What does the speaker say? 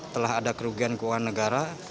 telah ada kerugian keuangan negara